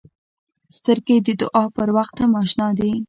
سترګې د دعا پر وخت هم اشنا دي